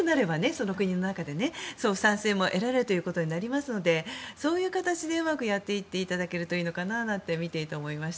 その国の中で賛成も得られるということになるのでそういう形でうまくやっていっていただけるといいのかなと思います。